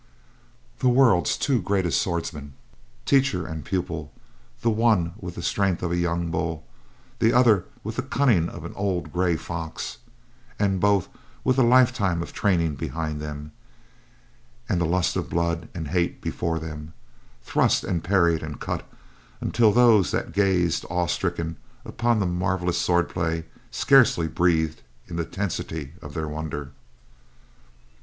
The world's two greatest swordsmen: teacher and pupil—the one with the strength of a young bull, the other with the cunning of an old gray fox, and both with a lifetime of training behind them, and the lust of blood and hate before them—thrust and parried and cut until those that gazed awestricken upon the marvellous swordplay scarcely breathed in the tensity of their wonder.